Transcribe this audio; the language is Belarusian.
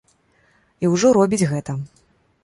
І ўжо робіць гэта.